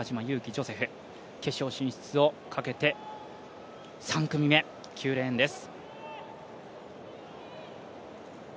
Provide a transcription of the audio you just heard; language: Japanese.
ジョセフ、決勝進出をかけて３組目、９レーンです。